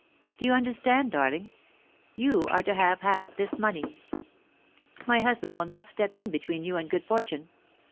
Do you understand, darling? you are to have half this money. My husband will not step in between you and good fortune.